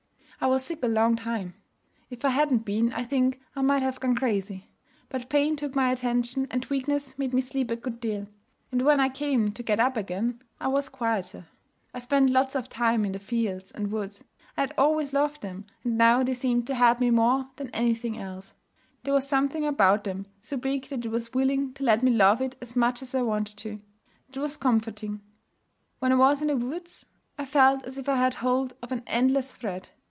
'I was sick a long time. If I hadn't been, I think I might have gone crazy. But pain took my attention, and weakness made me sleep a good deal; and when I came to get up again, I was quieter. I spent lots of time in the fields and woods. I had always loved them, and now they seemed to help me more than anything else. There was something about them so big that it was willing to let me love it as much as I wanted to. That was comforting. When I was in the woods, I felt as if I had hold of an endless thread.